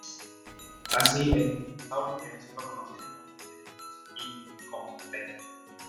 Así, estos dinosaurios eran sólo conocidos a partir de restos incompletos.